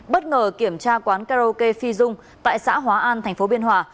bất ngờ kiểm tra quán karaoke phi dung tại xã hóa an tp biên hòa